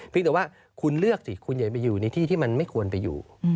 แต่ว่าคุณเลือกสิคุณอย่าไปอยู่ในที่ที่มันไม่ควรไปอยู่